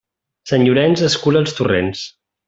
Sant Llorenç escura els torrents.